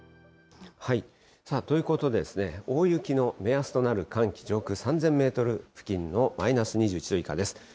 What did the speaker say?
ということで、大雪の目安となる寒気、上空３０００メートル付近、マイナス２１度以下です。